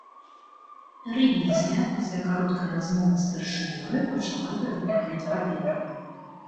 Рэвізія пасля кароткай размовы з старшынёю пачала пераглядаць паперы.